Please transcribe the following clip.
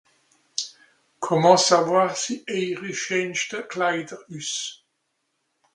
(comment savoir si ?) eijeri scheenschte Kleider üss